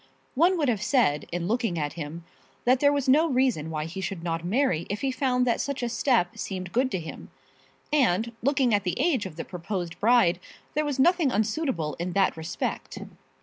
One would have said in looking at him that there was no reason why he should not marry if he found that such a step seemed good to him; and looking at the age of the proposed bride, there was nothing unsuitable in that respect.